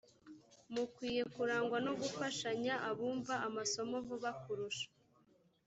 mukwiye kurangwa no gufashanya abumva amasomo vuba kurusha